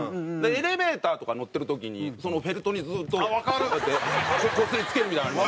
エレベーターとか乗ってる時にそのフェルトにずっとこうやってこすり付けるみたいなのあります。